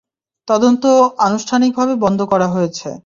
তদন্ত আনুষ্ঠানিকভাবে বন্ধ করা হয়েছে।